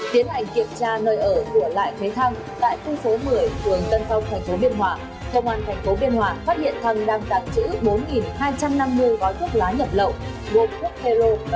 các bạn hãy đăng ký kênh để ủng hộ kênh của chúng mình nhé